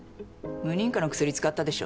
無認可の薬使ったでしょ？